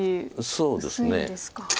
そうですね。